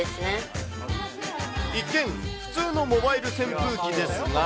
一見、普通のモバイル扇風機